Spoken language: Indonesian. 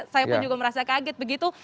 saya pun juga merasa kaget begitu